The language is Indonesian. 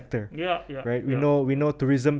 kita tahu turisme masih memberikan